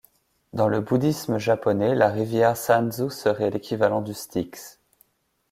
Dans le bouddhisme japonais, la rivière Sanzu serait l'équivalent du Styx.